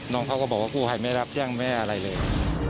น้องเขาก็บอกว่ากู้ภัยไม่รับแจ้งแม่อะไรเลย